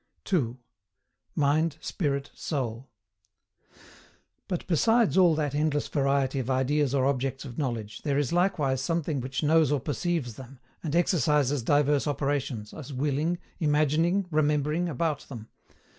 2. MIND SPIRIT SOUL. But, besides all that endless variety of ideas or objects of knowledge, there is likewise something which knows or perceives them, and exercises divers operations, as willing, imagining, remembering, about them.